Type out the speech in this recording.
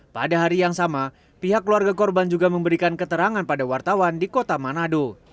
pada hari yang sama pihak keluarga korban juga memberikan keterangan pada wartawan di kota manado